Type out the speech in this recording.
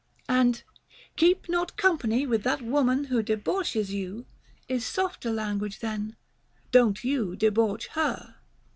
And ίς Keep not company with that woman who debauches you " is softer language than " Don't you debauch her."